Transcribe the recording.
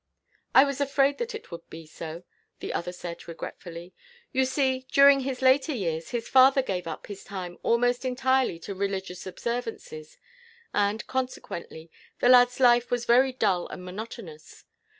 "I was afraid that it would be so," the other said, regretfully. "You see, during his later years, his father gave up his time almost entirely to religious observances; and, consequently, the lad's life was very dull and monotonous.